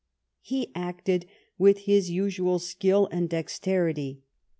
He acted with his usual skill and dexterity.